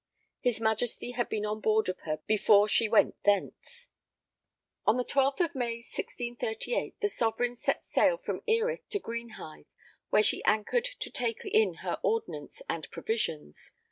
His Majesty had been on board of her before she went thence. The 12th of May, 1638, the Sovereign set sail from Erith to Greenhithe, where she anchored to take in her ordnance and provisions.